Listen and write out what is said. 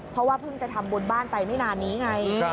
เพราะว่าเพิ่งจะทำบุญบ้านไปไม่นานนี้ไง